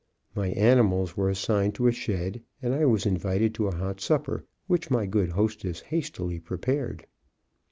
My animals were assigned to a shed, and I was invited to a hot supper, which my good hostess hastily prepared.